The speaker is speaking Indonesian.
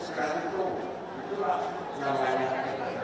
sekali itu itulah yang banyaknya